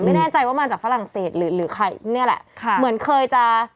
ไม่แน่ใจว่ามาจากฝรั่งเศสหรือไข่นี่แหละ